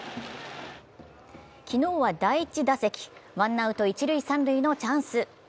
昨日は第１打席、ワンアウト一・三塁のチャンス。